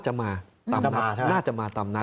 เชื่อน่าจะมาตามนัก